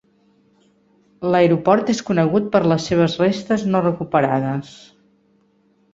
L'aeroport és conegut per les seves restes no recuperades.